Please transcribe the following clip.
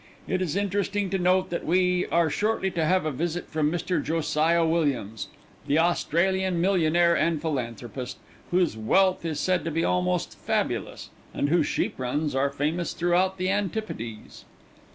It is interesting to note that we are shortly to have a visit from Mr. Josiah Williams, the Australian millionaire and philanthropist, whose wealth is said to be almost fabulous, and whose sheep runs are famous throughout the Antipodes.